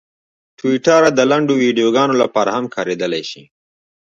ټویټر د لنډو ویډیوګانو لپاره هم کارېدلی شي.